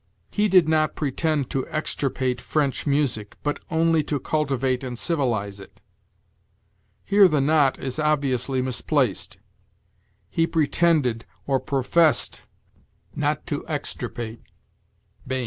'He did not pretend to extirpate French music, but only to cultivate and civilize it.' Here the not is obviously misplaced. 'He pretended, or professed, not to extirpate.'" Bain.